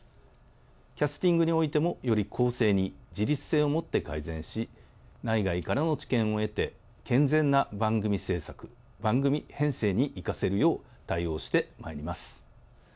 キャスティングにおいても、より公正に、自律性を持って改善し、内外からの知見を得て、健全な番組制作、番組編成に生かせるよう対応してまいります。